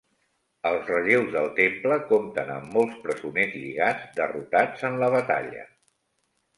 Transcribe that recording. Els relleus del temple compten amb molts presoners lligats, derrotats en la batalla.